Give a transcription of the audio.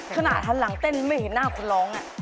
ขณะหันหลังเต้นไม่เห็นหน้าคนร้อง